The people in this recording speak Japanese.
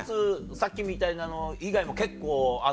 さっきみたいなの以外も結構あるの？